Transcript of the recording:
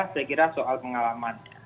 saya kira soal pengalaman